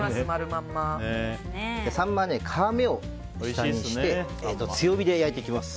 サンマは皮目を下にして強火で焼いていきます。